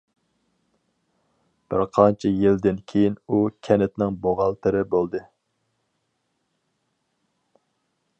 بىر قانچە يىلدىن كېيىن ئۇ كەنتنىڭ بوغالتىرى بولدى.